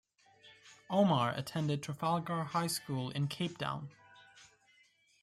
Omar attended Trafalgar High School in Cape Town.